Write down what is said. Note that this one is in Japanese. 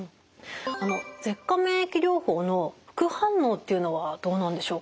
舌下免疫療法の副反応っていうのはどうなんでしょうか？